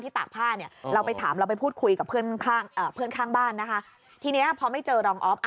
ที่นะค่ะพอไม่เจ๋อลองอ๊อฟ